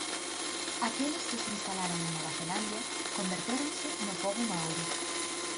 Aqueles que se instalaron en Nova Zelandia convertéronse no pobo maorí.